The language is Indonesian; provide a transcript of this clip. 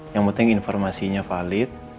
yang penting informasinya valid